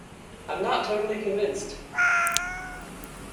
I'm not totally convinced!